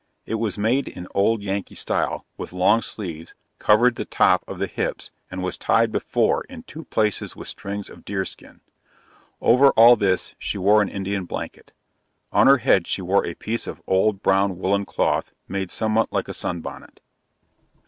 It was made in old yankee style, with long sleeves, covered the top of the hips, and was tied before in two places with strings of deer skin. Over all this, she wore an Indian blanket. On her head she wore a piece of old brown woollen cloth made somewhat like a sun bonnet.